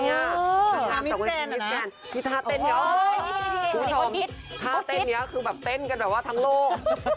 คุณผู้ชมจากเมืองมิสแจนด์ฮิทาเต้นเยอะคุณผู้ชมฮาเต้นเต้นกันแบบว่าทั้งโลก